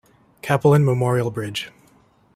Cappelen Memorial Bridge.